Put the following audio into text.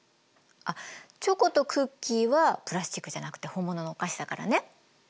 あっチョコとクッキーはプラスチックじゃなくて本物のお菓子だからね。